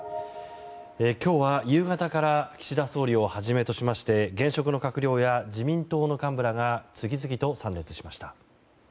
今日は夕方から岸田総理をはじめとして現職の閣僚や自民党の幹部らが次々と参列しました。